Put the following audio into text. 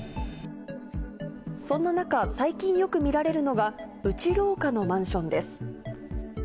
そんな中、最近よく見られるのが、内廊下のマンションです。